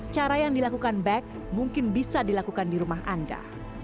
cara yang dilakukan back mungkin bisa dilakukan di rumah anda